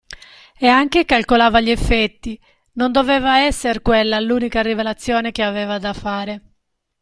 E anche calcolava gli effetti: non doveva esser quella l'unica rivelazione, che aveva da fare!